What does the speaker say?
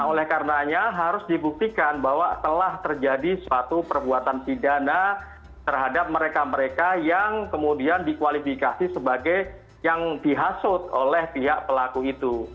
oleh karenanya harus dibuktikan bahwa telah terjadi suatu perbuatan pidana terhadap mereka mereka yang kemudian dikualifikasi sebagai yang dihasut oleh pihak pelaku itu